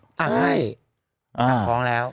ใช่สั่งฟ้องแล้ว